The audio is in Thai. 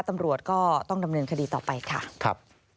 ตำรวจก็ต้องดำเนินคดีต่อไปค่ะครับ